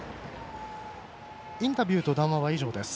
インタビューと談話は以上です。